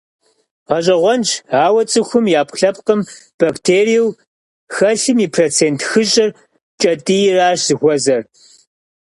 Гъэщӏэгъуэнщ, ауэ цӏыхум и ӏэпкълъэпкъым бактериеу хэлъым и процент хыщӏыр кӏэтӏийрщ зыхуэзэр.